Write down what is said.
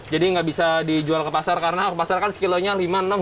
jadi nggak bisa dijual ke pasar karena ke pasar kan sekilonya lima enam